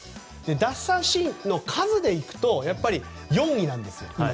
奪三振の数でいくと４位なんです。